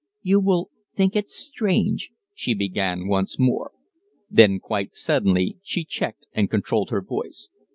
"You will think it strange " she began once more. Then quite suddenly she checked and controlled her voice.